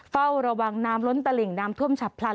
เฝ้าระวังน้ำล้นตลิ่งน้ำท่วมฉับพลัน